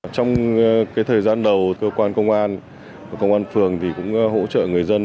trong thời gian đầu cơ quan công an công an phường cũng hỗ trợ người dân